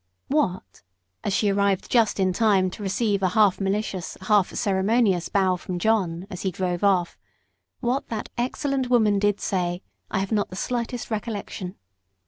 What as she arrived just in time to receive a half malicious, half ceremonious bow from John, as he drove off what that excellent woman did say I have not the slightest recollection.